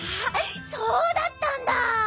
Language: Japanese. そうだったんだ。